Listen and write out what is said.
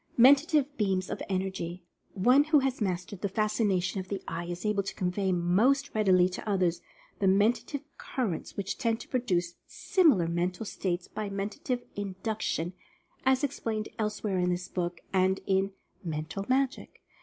MENTATIVE BEAMS OF ENERGY. One who has mastered the Fascination of the Eye, is able to convey most readily to others the Menta tive Currents which tend to produce similar mental states by Mentative Induction, as explained elsewhere in this book, and in "Mental Magic."